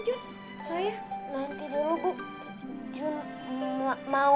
nanti dulu bu